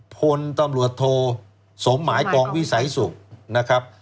พลตำรวจโทสมหมายกองวิสัยสุขนะครับ